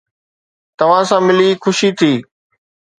توهان سان ملي خوشي ٿي